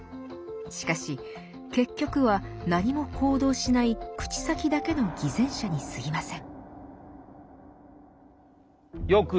しかし結局は何も行動しない口先だけの偽善者にすぎません。